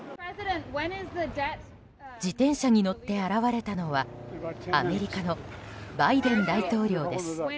自転車に乗って現れたのはアメリカのバイデン大統領です。